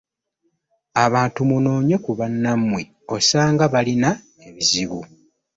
Abantu munoonye ku bannammwe osanga balina ebizibu.